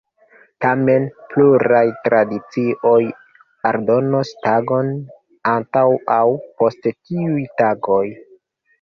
Tamen, pluraj tradicioj aldonas tagon antaŭ aŭ post tiuj tagoj.